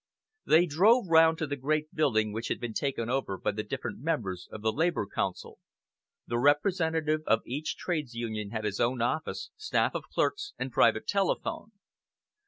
They drove round to the great building which had been taken over by the different members of the Labour Council. The representative of each Trades Union had his own office, staff of clerks and private telephone.